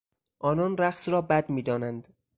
آنان رقص را بد میدانند.